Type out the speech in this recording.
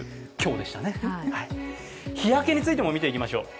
日焼けについても見ていきましょう。